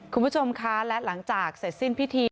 คุณผู้ชมคะและหลังจากเสร็จสิ้นพิธี